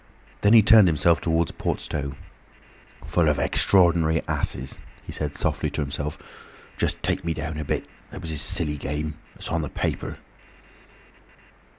Then he turned himself towards Port Stowe. "Full of extra ordinary asses," he said softly to himself. "Just to take me down a bit—that was his silly game—It's on the paper!"